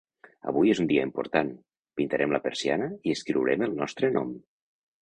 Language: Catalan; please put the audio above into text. Avui és un dia important: pintarem la persiana i escriurem el nostre nom.